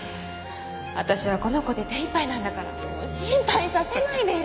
私はこの子で手いっぱいなんだからもう心配させないでよ。